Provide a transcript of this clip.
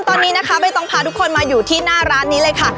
ตอนนี้นะคะใบตองพาทุกคนมาอยู่ที่หน้าร้านนี้เลยค่ะ